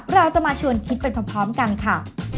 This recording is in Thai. เราจะมาชวนคิดไปพร้อมกันค่ะ